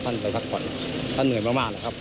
แต่คือ